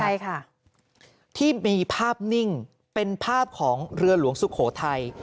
ใช่ค่ะที่มีภาพนิ่งเป็นภาพของเรือหลวงสุโขทัย